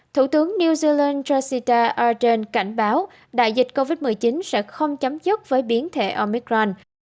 thủ tướng new zealand jacita audren cảnh báo đại dịch covid một mươi chín sẽ không chấm dứt với biến thể omicron